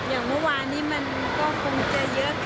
อย่างเมื่อวานนี้มันก็คงจะเยอะเกินมั้งค่ะ